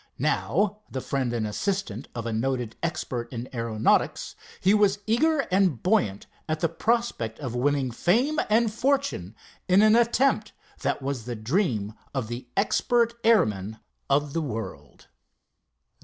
Now, the friend, and assistant of a noted expert in aeronautics, he was eager and buoyant at the prospect of winning fame and fortune in an attempt that was the dream of the expert airman of the world.